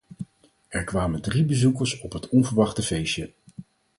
Er kwamen drie bezoekers op het onverwachte feestje.